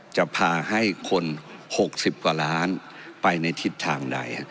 จะพาให้คน๖๐กว่าล้านไปในทิศทางใด